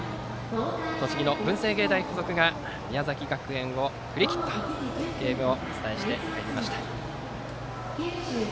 栃木の文星芸大付属が宮崎学園を振り切ったゲームをお伝えしてまいりました。